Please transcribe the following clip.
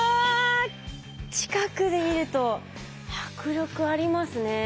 近くで見ると迫力ありますね。